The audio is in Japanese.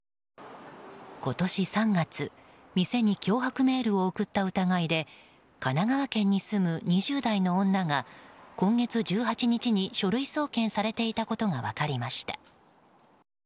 今年３月店に脅迫メールを送った疑いで神奈川県に住む２０代の女が今月１８日に書類送検されていたことが分かりました。